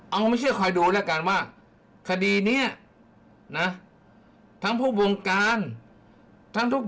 เอาไม่เชื่อคอยดูแล้วกันว่าคดีเนี้ยนะทั้งผู้วงการทั้งทุก